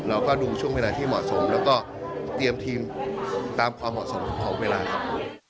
เราก็ดูช่วงเวลาที่เหมาะสมแล้วก็เตรียมทีมตามความเหมาะสมของเวลาครับ